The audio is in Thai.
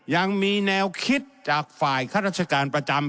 ยังมีแนวคิดจากฝ่ายข้าราชการประจำ